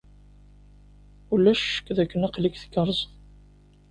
Ulac ccek dakken aql-ik tgerrzeḍ.